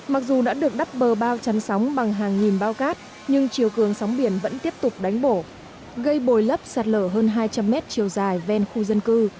mặc dù đã được đắp bờ bao chắn sóng bằng hàng nghìn bao cát nhưng chiều cường sóng biển vẫn tiếp tục đánh đổ gây bồi lấp sạt lở hơn hai trăm linh mét chiều dài ven khu dân cư